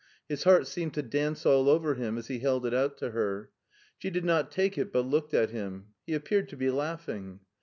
His heart seemed to dance all over him as he held it out to her. She did not take it, but looked at him. He appeared to be laughing.